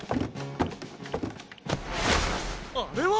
あれは！